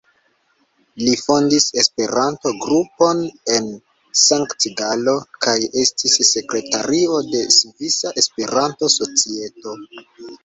Li fondis Esperanto-grupon en Sankt-Galo kaj estis sekretario de Svisa Esperanto-Societo.